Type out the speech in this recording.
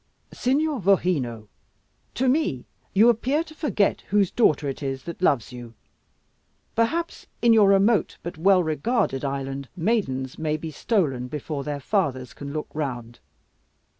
"Signor Vogheno, to me you appear to forget whose daughter it is that loves you. Perhaps in your remote, but well regarded island maidens may be stolen before their fathers can look round.